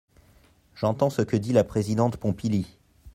J’entends ce que dit la présidente Pompili.